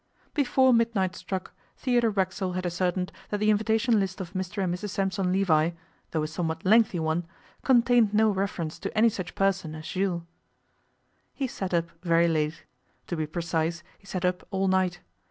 Before midnight struck Theodore Racksole had ascertained that the invitation list of Mr and Mrs Sampson Levi, though a somewhat lengthy one, contained no reference to any such person as Jules. He sat up very late. To be precise, he sat up all night.